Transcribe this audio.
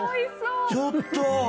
ちょっと。